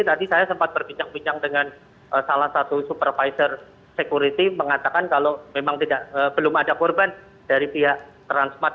tadi saya sempat berbincang bincang dengan salah satu supervisor security mengatakan kalau memang belum ada korban dari pihak transmart